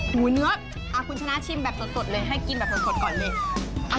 เนื้อคุณชนะชิมแบบสดเลยให้กินแบบสดก่อนเลย